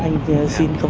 đang giải quyết